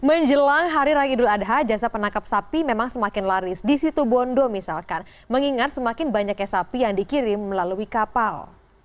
menjelang hari raya idul adha jasa penangkap sapi memang semakin laris di situ bondo misalkan mengingat semakin banyaknya sapi yang dikirim melalui kapal